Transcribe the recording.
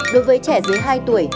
đối với trẻ dưới hai tuổi